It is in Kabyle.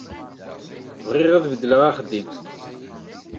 Bɣiɣ ad beddleɣ axeddim.